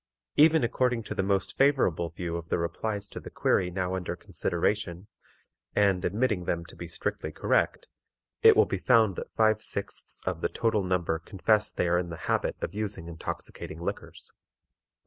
Even according to the most favorable view of the replies to the query now under consideration, and admitting them to be strictly correct, it will be found that five sixths of the total number confess they are in the habit of using intoxicating liquors.